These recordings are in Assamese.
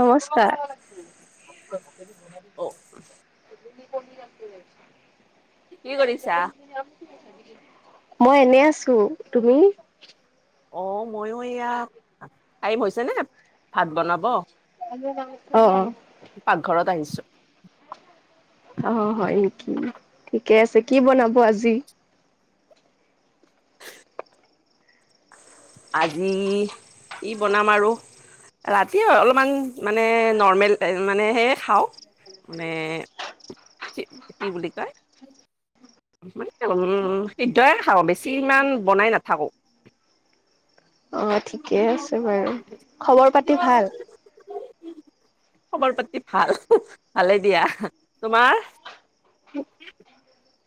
নমস্কাৰ অ কি আ কৰিছা? [inaudible] মই এনে আছো তুমি অ ময়ো এয়া টাইম হৈছে নে ভাত বনাব অ অ পাকঘৰত আহিছো অ হয় নেকি ঠিকে আছে কি বনাব আজি আজি ই বনাম আৰু ৰাতি হয় অলপমান মানে নৰ্মেল দাইল হে মানে সে খাওঁ মানে চ কি বুলি কায় [inaudible] মানে উম সিদ্ধইে খা বেছি ইমান বনাই নাথাকো [inaudible] আহ ঠিকে আছে বাৰু খবৰ পাতি ভাল খবৰ পাতি ভাল ভালে দিয়া তোমাৰ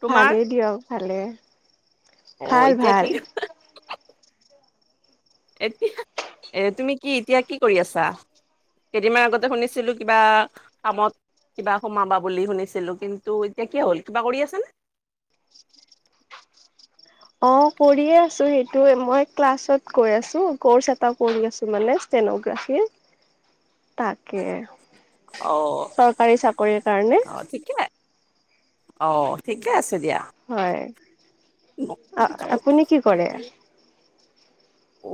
তোমাৰ ভালেই দিয়ক ভালে অ ভাল এতিয়া ভাল কি এতিয়া এ তুমি কি এতিয়া কি কৰি আছা কেইদিনমান আগতে শুনিছিলো কিবা কামত কিবা সোমাবা বুলি শুনিছিলো কিন্তু এতিয়া কি হ'ল কিবা কৰি আছে নে [inaudible] অ কৰিয়ে আছো সেইটো মই ক্লাছত গৈ আছো কৰ্চ এটা কৰি আছো মানে ্ৰাফ তাকে অ চৰকাৰী চাকৰিত [inaudible] অ ঠিকে অ ঠিকে আছে দিয়া হয় আ যাওঁ আপুনি কি কৰে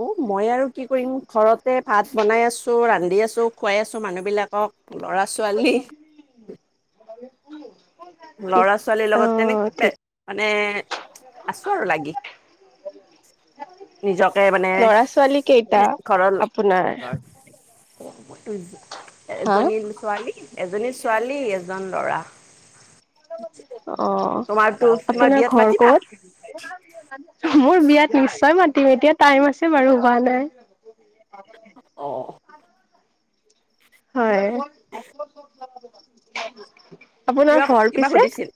অ মই আৰু কি কৰিম ঘৰতে ভাত বনাই আছো ৰান্ধি আছো খুৱাই আছো মানুহ বিলাকক লৰা ছোৱালী ভ [inaudible] ল'ৰা ছোৱালীৰ লগত তেনেকুৱ মানে আছো আৰু লাগি নিজকে মানে ল'ৰা ছোৱালী কেইটা ঘৰৰ আপোনাৰ জ হা ধ্বনিিল ছোৱালী এজনী ছোৱালী এজন লৰা অ তোমাৰতো অ তোমাৰ আপোনাৰ বিয়াত ঘৰ মাতিবা কত মোৰ বিয়াত নিশ্চয় মাত এতিয়া টাইম আছে বাৰু হোৱা নাই অ হয় কিবা আপোনাৰ ঘৰ কিবা পিছে সুধিছিল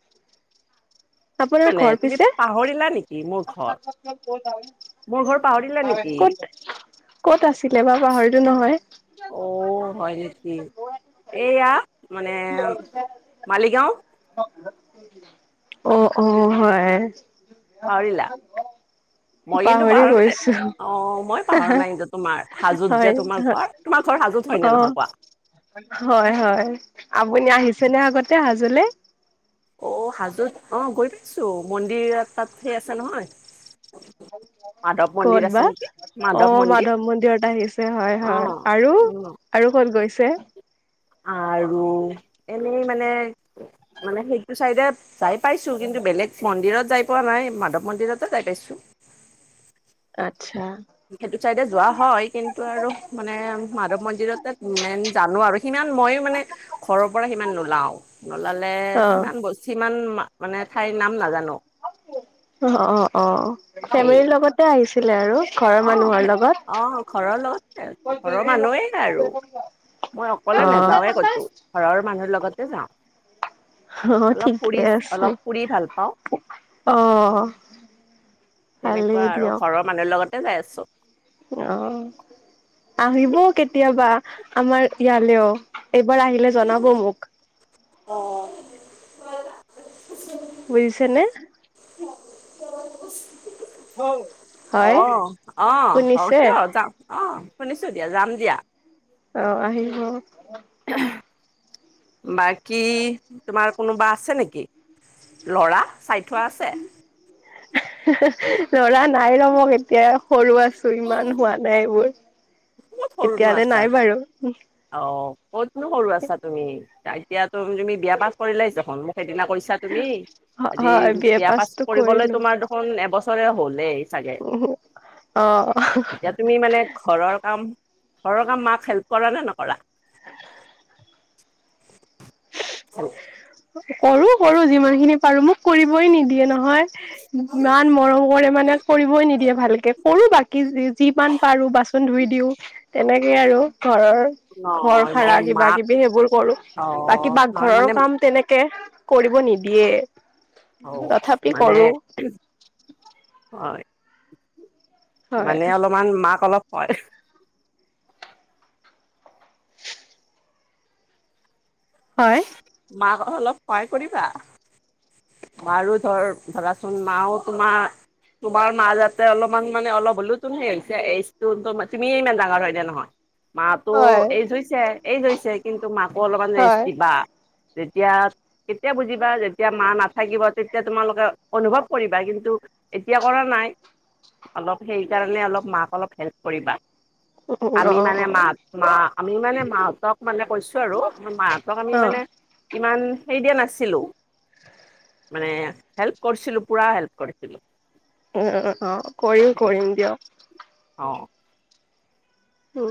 আপোনাৰ মানে ঘৰ তুমি পিছে পাহৰিলা নেকি মোৰ ঘৰ মোৰ ঘৰ পাহৰিলা নেকি কত কত আছিলে বা পাহৰিতটো নহয় অ হয় নেকি এইয়া মানে মালিগাঁও অ অ হয় পাহৰিলা মই কিন্তু পাহৰি পাহৰা নাই গৈছো অ মই পাহাৰ হয়। নাই কিন্তু তোমাৰ হাজোত যে তোমাৰ ঘৰ তোমাৰ ঘৰ সাজুত হয় ন অ', নহয় কোৱা হয় হয় আপুনি আহিছে নে আগতে হাজলে অ হাজত অ গৈ পাইছোঁ মন্দিৰ তাত সেই আছে নহয় মাধৱ কত মন্দিৰ আছে বা নেকি অ মন্দিৰ মাধৱ মন্দিৰত আহিছে হয় অ হয় আৰু উম আৰু কত গৈছে আৰু এনেই মানে মানে সেইটো চাইডে যাই পাইছো কিন্তু বেলেগ মন্দিৰত যাই পোৱা নাই মাধৱ মন্দিৰতে যাই পাইছো আা সেইটো চাইডে যোৱা হয় কিন্তু আৰু মানে মাধৱ মন্দিৰতে মেইন জানো আৰু সিমান ইমান মইো মানে ঘৰৰ পৰা সিমান নোলাও নোলালে অ', সিমান বস্তু ইিমান অ অ অ ফেমিলিৰ লগতে আহিছে আছিলে আৰু ঘৰৰ মানুহৰ আহ লগত আহ ঘৰৰ লগত ঘৰৰ মানুহেই আৰু মই অ অকলে নাযাওঁৱে কছো ঘৰৰ মানুহৰ লগতে অ যাওঁ অলপ ঠিকে পুৰি আছে অলপ পুৰি ভাল পাওঁ অ তেনেকুৱা ভালেই আৰু দিয়ক ঘৰৰ মানুহৰ লগতে যাই আছো অ আহিব কেতিয়াবা আমাৰ ইয়ালৈও এইবাৰ আহিলে জনাব মোক ব বুজিছনেে হ অ অ অ কিয় যাম অ শুনিছো দিয়া যাম দিয়া অ আহিব বাকী তোমাৰ কোনোবা আছে নেকি লৰা চ থোৱা আছে লৰা নাই ৰমক এতিয়া সৰু আছো ইমান হোৱা নাই এইবোৰ ক'ত সৰুনো এতিয়াললে আছা? নাই বাৰু অ ক'তনো সৰু আছা তুমি এতিয়া তুম তুমি বিয়া পাছ কৰিলো আহিছা ফ সেইদিনা কৰিছা তুমি আদি হয় বি এ বিয়া পাছ পাছটো কৰিবলৈ কৰিলো তোমাৰ দেখোন এবছৰে হ'লেই চাগে অ এতিয়া তুমি মানে ঘৰৰ কাম ঘৰৰ কাম মাক হেল্প কৰা নে নকৰা হয় কৰো কৰো যিমান খিনি বাৰু মোক কৰিবই নিদিয়ে নহয় ইমান মৰম কৰে মানে কৰিবই নিদিয়ে ভালকে সৰু বাকী যিমান পাৰো বাচন ধুই দিও তেনেকে আৰু ঘৰৰ ঘৰ নহয় সাৰা মানে কিবা মাক কিবি সেইবোৰ কৰো বাকী অ', নহয় পাকঘৰৰ মানে কাম তেনেকে কৰিব নিদিয়ে অ তথাপি মানে কৰো। হয় হয় মানে অলপমান মাক অলপ হয় হয় মাক অলপ সহায় কৰিবা বাৰো ধৰ ধৰাচোন মাও তোমাৰ তোমাৰ মা যাতে অলপমান মানে অলপ হলেও তো এজতো এই তুমিয়ে ইমান ডাঙৰ হয়নে নহয় মাতো হয় এইজ হৈছে এইজই হৈছে কিন্তু মাকো অলপমান ৰেষ্ট হয় দিবা যেতিয়া কেতিয়া বুজিবা যেতিয়া মা না থাকিব তেতিয়া তোমালোকে অনুভৱ কৰিবা কিন্তু এতিয়া কৰা নাই অলপ সেই কাৰণে অলপ মাক অলপ হেল্প কৰিবা অ আমি মানে অ মাহ মা আমি মানে মাহতক মানে কৈছো আৰু আৰ মাহতক আমি অ মানে ইমান হেৰি দিয়া নাছিলো মানে হেল্প কৰিছিলোঁ পুৰা হেল্প কৰিছিলোঁ উম অ কৰিম কৰিম দিয়ক অ উ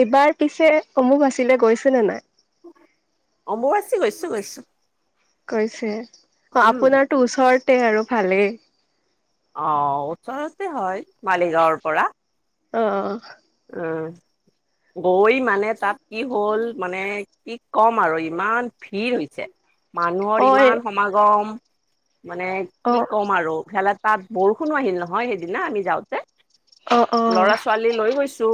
এইবাৰ পিছে অমুক আছিলে গৈছে নাই অম্ববাচী গৈছো গৈছো কৈছে অ আপোনাৰ তো ওচৰতে আৰু ভালেই আহ ওচৰতে হয় মালিগাঁৱৰ পৰা অ অ অ গৈ মানে তাত কি হ'ল মানে কি ক'ম আৰু ইমান ভিৰ হৈছে অ মানুহৰ এ ইমান সমাগম মানে অ কি ক'ম আৰু ইফালে তাত বৰষুণো আহিল নহয় সেইদিনা আমি যাওঁতে অ লৰা অ ছোৱালী লৈ গৈছো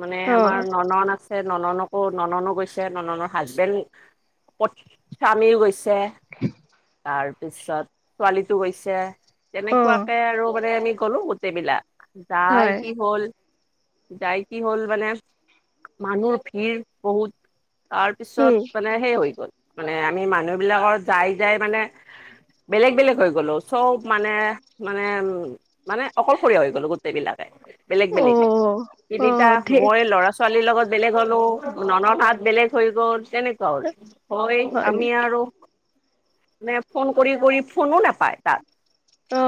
মানে অ আমাৰ ন নন আছে নননকো নননো গৈছে নননৰ হাজবেণ্ড স্বামীও গৈছে তাৰ পিছত ছোৱালীটো গৈছে অ তেনেকুৱাকে আৰু মানে আমি গলো গোটেইবিলাক যাই হয় কি হ'ল যাই কি হ'ল মানে মানুহ ভিৰ বহুত তাৰ পিছত উম মানে সেই হৈ গ'ল মানে আমি মানুহ বিলাকৰ যাই যাই মানে বেলেগ বেলেগ হৈ গ'লো চব মানে মানে উ মানে অকলশৰীয়া হৈ গলো গোটেই বিলাকে বেলেগ অ বেলেগ অ তিনিটা ধেই মই ল'ৰা ছোৱালীৰ লগত বেলেগ হ'লো ননৰ হাত বেলেগ হৈ গ'ল তেনেকুৱা হ'ল হয় আমি আৰু মানে ফোন কৰি কৰি ফোনো নোপায় তাত অ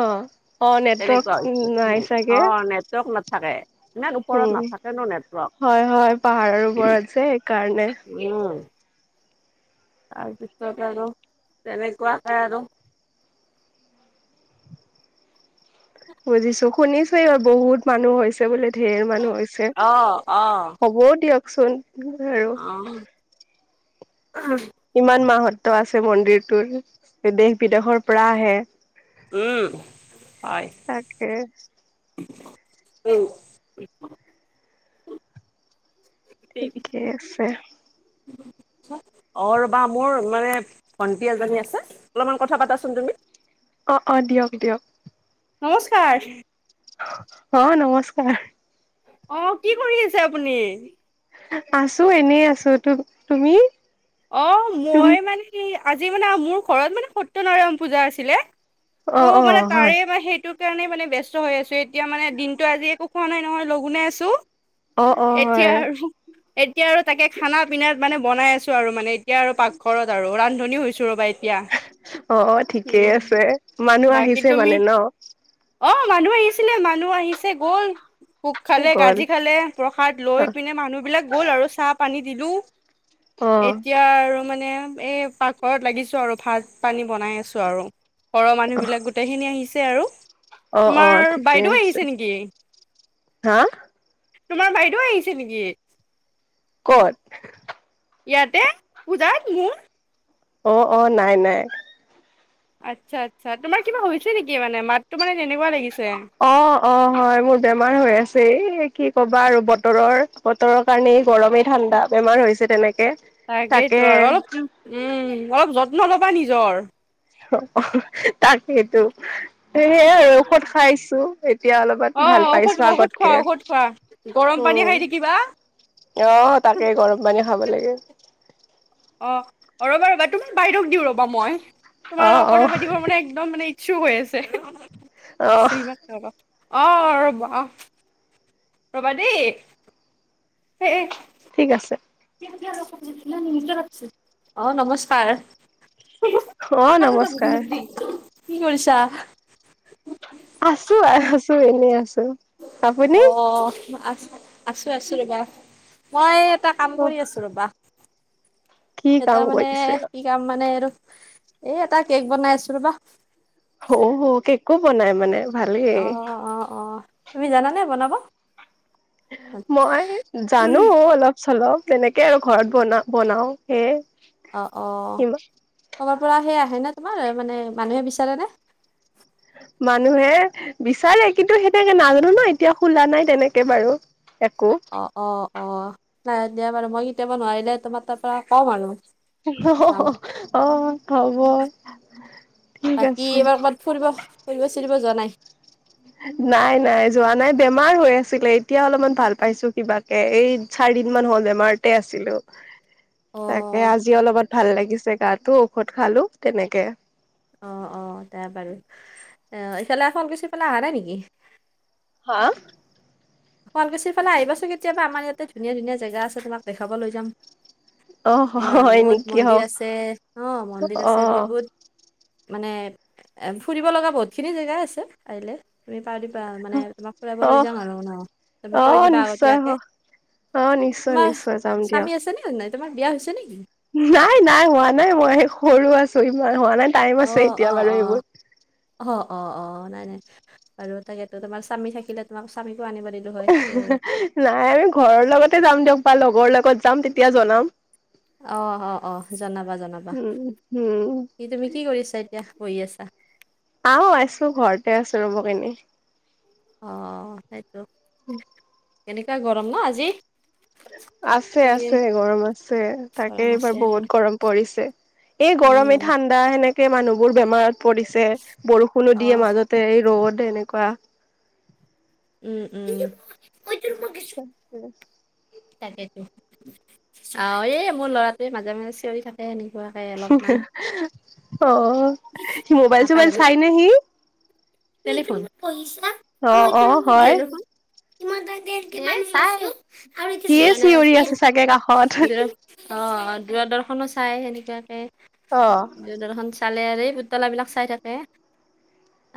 অ নেটৱৰ্ক তেনেকুৱা নাই হৈছে অ চাগে নেটৱৰ্ক নাথাকে এনে ওপৰত উম নাথাকে ন হয় হয় পাহাৰৰ নেটৱৰ্ক ওপৰত যে সেইকাৰণে উম তাৰপিছত আৰু তেনেকুৱাকাই আৰু উ বুজিছো শুনিছো এইবাৰ বহুত মানুহ বুলি ধেৰ মানুহ হৈছে অ অ হ'ব দিয়কচোন আৰু অ ইমান মাহত্ব আছে মন্দিৰটোৰ দেশ বিদেশৰ পৰা আহে উম হয় তাকে আহ ঠিকে আছে অ ৰ' বা মোৰ মানে ভণ্টি এজনী আছে অলপমান কথা পাতাচোন তুমি অ অ দিয়ক দিয়ক। নমস্কাৰ। অ নমস্কাৰ। অ কি কৰি আছে আপুনি? আছো এনেই আছো ত তুমি? অ তুম মই মানে আজি মানে মোৰ ঘৰত মানে সত্যনাৰায়ণ পূজা আছিলে। অ ত' অ মানে হয় তাৰে মে সেইটোৰ কাৰণে মানে ব ব্যস্ত হৈ আছো এতিয়া মানে দিনতটো আজিো। পোৱা নাই নহয় লগোনেে আছোঁ। অ অ হয়। এতিয়া আৰু তাকে খানা পিিনাত মানে বনাই আছো আৰু মানে এতিয়া আৰু পাকঘৰত আৰু ৰান্ধনী হৈছো ৰ'বা। এতিয়া অ ঠিকেই উম, আছে মানুহ বাকী আহিছে তুমি মানে ন। অ মানুহ আহিছিলে মানুহ আহিছে গ'ল। কোক খালে গ'ল কাজি খালে প্ৰসাদ অ লৈ পিনে মানুহবিলাক গ'ল আৰু চাহ পানী দিলোঁ। অ এতিয়া আৰু মানে এই পাকৰত লাগিছো আৰু ভাত পানী বনাই আছো আৰু ঘৰৰ মানুহ বিিলাক গোটেইখিনি আহিছে আৰু অ অ তোমাৰ ঠিকে বাইদেউ আছে আহিছে নেকি? হা। তোমাৰ বাইদেউ আহিছে নেকি? কত? ইয়াতে পজাত মন। অ অ নাই নাই। আচ্ছা আচ্ছা তোমাৰ কিবা হৈছে নেকি মানে মাতটো মানে? তেনেকুৱা লাগিছে। অ অ হয় মোৰ বেমাৰ হৈ আছে কি কবা আৰু। বতৰৰ বতৰৰ কাৰণে গৰমেই ঠাণ্ডা বেমাৰ হৈছে তেনেকে। তাকে তাকেইতো আৰু অলপ উম অলপ যত্ন লবা নিজৰ। তাকেইেতো সেইাই আৰু ঔষধ খাইছো। এতিয়া অলপমান অ ভাল ঔষধ পাইছো ঔষধ আগতকে খোৱা ঔষধ খোৱা গৰম পানী উম। খাই থাকিবা আহ তাকে গৰম পানী খাব লাগে। অ ৰ'বা ৰ'বা তুমাৰ বাইদেক দিও ৰবা মই তোমাৰ অ লগত অ কথা পাতিব মানে একদম মানে। শু হৈ আছে অ শ্ৰীমাস বাবা। অ ৰবা ৰবা দেই হ। ঠিক আছে। অ নমস্কাৰ। অ ক নমস্কাৰ। যাবম কি কৰিছা। আছো আছো এনে আছো। আপুনি? অ আছ আছো আছো ৰবা মই এটা কাম অ কৰি আছো ৰবা। কি এটা কাম মানে কৰিছে? কি কাম মানে আৰু এই এটা কেক বনাই আছো ৰবা। অ হ কেকো বনাই মানে। ভালেই। অ অ অ তুমি জানানে বনাব? মই জানো অলপ। চলাও তেনেকে আৰু ঘৰত বনা বনাও সেয়ে। অ অ ইমা তবাৰ পৰা সেই। হয়ে ন তোমাৰ মানে মানুহে বিচাৰে নে? মানুহে বিচাৰে কিন্তু সেনেকে নাজানো ন এতিয়া খোলা নাই তেনেকে বাৰু। একো। অ অ অ নাই দিয়া বাৰু মই কেতিয়াবা নোৱাৰিলে তোমাৰ তাৰ পৰা কম আৰু। যাম অ অ খব। বাকী এইবাৰ ক'ৰবাত ফুৰিব ফুৰিব চৰিব যোৱা নাই? নাই নাই যোৱা নাই বেমাৰ হৈ আছিলে এতিয়া অলপমান ভাল পাইছো কিবাকে এই চাৰি। দুদিন মান হ'ল বেমাৰতে আছিলো। অ' তাকে আজি অলপত ভাল লাগিছে গাটো ঔষধ খালো তেনেকে। অ অ ত বাৰু আহ ইফালে ফলকুচি পেলাই অহা নাই নেকি হা শুৱালকুছিৰ ফালে আহিবাচোন কেতিয়াবা আমাৰ ইয়াতে ধুনীয়া ধুনীয়া জেগা আছে তোমাক দেখাব লৈ যাম অ বা হয় বহুত নেকি অ মন্দিৰ আছে অ মন্দিৰ অ আছে বহুত বহুত মানে এ ফুৰিব লগা বহুতখিনি জেগা আছে পাৰিল াৰ দিবা মানে তোমাক ফুৰাইব অ লৈ যাম আৰু ন তুমি অ কৈ দিবা নিশ্চয় হ আগতীয়য়াকে অ নিশ্চয় তোমাৰ নিশ্চয় যাম স্বামী দিয়ক আছে নে হয় তোমাৰ বিয়া হৈছে নেকি নাই নাই হোৱা নাই মই সৰু আছো ইমান হোৱা নাই টাইম অ', আছে এতিয়া অ', বাৰু অ', এইবোৰ অ অ অ নাই নাই বাৰু তাকেতো তোমাৰ স্বামী থাকিলে তোমাৰ স্বামী নাই আমি ঘৰৰ লগতে যাম দিয়ক বা লগৰ লগত যাম তেতিয়া জনাম অ অ অ জনাবা জনাবা উম, উম, কি তুমি কি কৰিছা এতিয়া হৈ আছা আহ আছো ঘৰতে আছো ৰব কিনি অ সেইটোো উম এনেকুৱা গৰম ন আজি আছে এইকেইদিন আছে গৰম আছে তাকে গৰম এইবাৰ আছে বহুত গৰম পৰিছে এই উম গৰমেই ঠাণ্ডা সেনেকে ে মানুহ বোৰ বেমাৰত পৰিছে অ বৰষুণোদিয়ে মাজতে ৰ'দ এনেকুৱা উম উম তিক আ তাকেইো অ এই মোৰ লৰাটোৱে মাজে মাজে চিঞৰি থাকে হেনক অ স মোবাইল নাপাই চোবাইল ৰব চাই ন সি টেলিফোন অ অ হয় ই ম দে দিিল চা আৰু সিয়ে চিঞৰি আছে চাগে কাষত। অ দূৰ দৰ্শন চাই সেনেকুৱাকে অ'। যৰখন চালে আৰু পুতল বিলাক চাই থাকে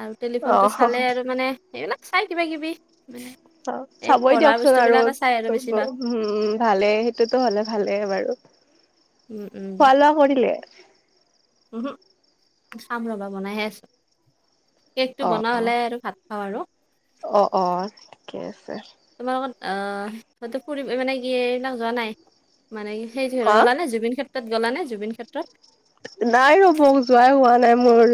আৰু টেলিফোনটো অ', চালে আৰু মানে এইেইবিলাক চাই কিবা কিবি মানে অ এই চাবই পঢ়া দিয়কচোন বস্তু আৰু বিলাকে চাই আৰু কি বেছিভাগ কৰ উম ভালে সেইটোতো হ'লে ভালেই বাৰু উম পালা পনিলে উ চাম ৰবা বনাইহে আছো কেকটো অ', বনা অ'। হ'লে আৰু ভাত খাওঁ আৰু িকে আছে তোমাৰ লগত আহ হয়তো ফুৰিব মানে কি এইবিলাক যোৱা নাই মানে সেই হা? গ'লানে জুবিন ক্ষেত্ৰত গ'লানে জুবিন ক্ষেত্ৰত নাই ৰব যোৱাই হোৱা নাই মোৰ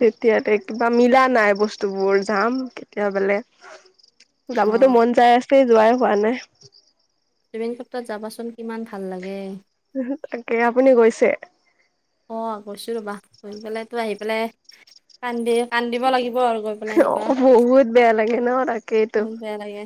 তেতিয়াতে কিবা মিলা নাই বস্তুবোৰ যাম কেতিয় বলে অ যাবতো মন যাই আছে যোৱাই হোৱা নাই টত যাবাচোন কিমান ভাল লাগে তাকে আপুনি গৈছে অ কৈছো ৰবা গৈ পেলাই তো আহি পেলাই কান্দি কান্দিব লাগিব আৰু গৈ পেলাই অ এনেকুৱা বহুত বেয়া লাগে ন তাকেইতো বহুত বেয়া লাগে